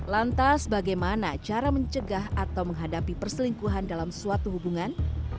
lantas bagaimana cara mencegah atau menghadapi perselingkuhan dalam suatu hubungan